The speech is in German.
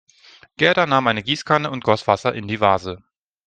Gerda nahm eine Gießkanne und goss Wasser in die Vase.